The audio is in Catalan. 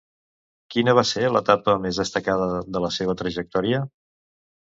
Quina va ser l'etapa més destacada de la seva trajectòria?